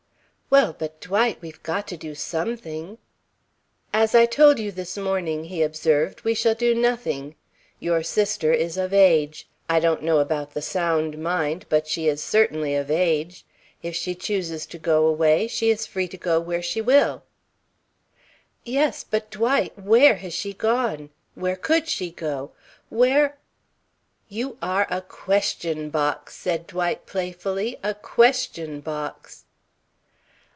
"Well, but, Dwight we've got to do something." "As I told you this morning," he observed, "we shall do nothing. Your sister is of age I don't know about the sound mind, but she is certainly of age. If she chooses to go away, she is free to go where she will." "Yes, but, Dwight, where has she gone? Where could she go? Where " "You are a question box," said Dwight playfully. "A question box."